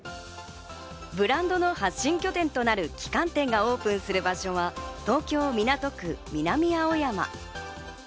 ブランドの発信拠点となる旗艦店がオープンする場所は東京・港区南青山。